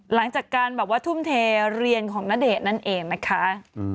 หลังจากการแบบว่าทุ่มเทเรียนของณเดชน์นั่นเองนะคะ